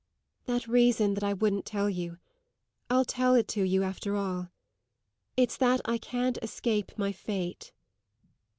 "That reason that I wouldn't tell you I'll tell it you after all. It's that I can't escape my fate."